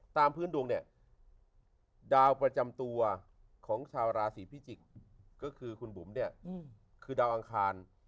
ตามพื้นดวงเนี่ยดาวประจำตัวของชาวราศีพิจิกษ์ก็คือคุณบุ๋มเนี่ยคือดาวอังคาร